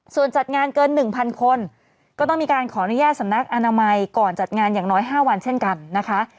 ส่วนจัดงานเกิน๑๐๐คนก็ต้องมีการขออนุญาตสำนักอนามัยก่อนจัดงานอย่างน้อย๕วันเช่นกันนะคะ